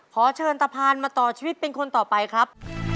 ขอเชิญตะพานมาต่อชีวิตเป็นคนต่อไปครับ